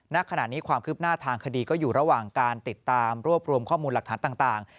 ณขณะนี้ความคืบหน้าทางคดีก็อยู่ระหว่างการติดตามรวบรวมข้อมูลหลักฐานต่าง